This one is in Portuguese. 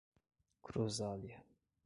Cruzália